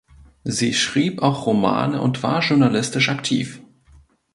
Sie schrieb auch Romane und war journalistisch aktiv.